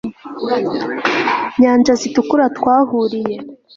nyanja zitukura twahuriye